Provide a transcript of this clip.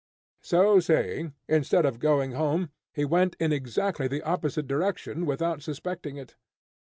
So saying, instead of going home, he went in exactly the opposite direction without suspecting it.